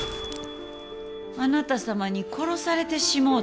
あなた様に殺されてしもうた。